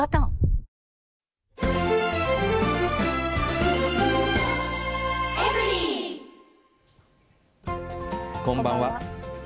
こんばんは。